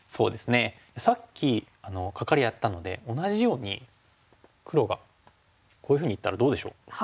さっきカカリやったので同じように黒がこういうふうにいったらどうでしょう？